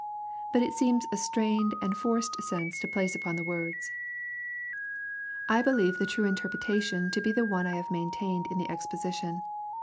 But it seems a strained and forced sense to place upon the words. I believe the true interpretation to be the one I have maintained in the exposition.